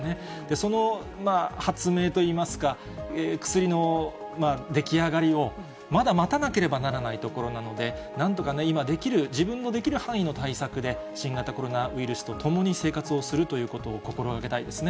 その発明といいますか、薬の出来上がりを、まだ待たなければならないところなので、なんとかね、今できる、自分のできる範囲の対策で、新型コロナウイルスと共に生活をするということを心がけたいですね。